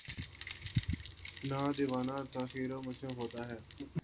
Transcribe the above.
نہ دیوتا، خیر وشرکا مجموعہ ہوتا ہے۔